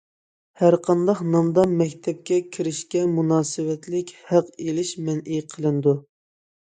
ھەر قانداق نامدا مەكتەپكە كىرىشكە مۇناسىۋەتلىك ھەق ئېلىش مەنئى قىلىنىدۇ.